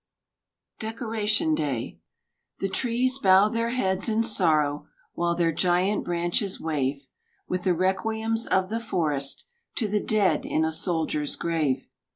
Decoration Day The trees bow their heads in sorrow, While their giant branches wave, With the requiems of the forest, To the dead in a soldier's grave.